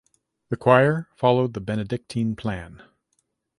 The choir followed the Benedictine plan.